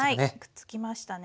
くっつきましたね。